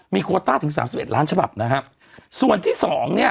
มีโคต้าถึงสามสิบเอ็ดล้านฉบับนะครับส่วนที่สองเนี่ย